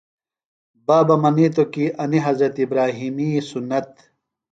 بابہ منِیتوۡ کی انیۡ حضرت ابراھیمی سُنت۔